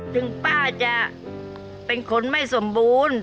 ถึงป้าจะเป็นคนไม่สมบูรณ์